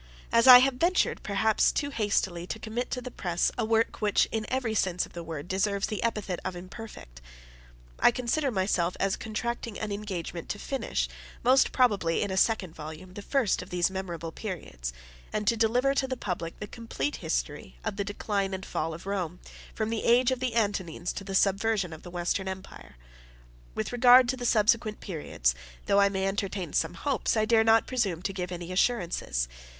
As I have ventured, perhaps too hastily, to commit to the press a work which in every sense of the word, deserves the epithet of imperfect. I consider myself as contracting an engagement to finish, most probably in a second volume, 2a the first of these memorable periods; and to deliver to the Public the complete History of the Decline and Fall of Rome, from the age of the Antonines to the subversion of the Western Empire. With regard to the subsequent periods, though I may entertain some hopes, I dare not presume to give any assurances.